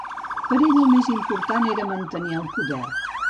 Per ella el més important era mantenir el poder.